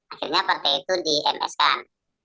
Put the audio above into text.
akhirnya partai itu di ms kan